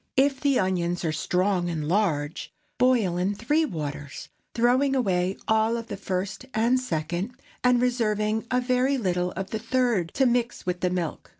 If the onions are strong and large, boil in three waters, throwing away all of the first and second, and reserving a very little of the third to mix with the milk.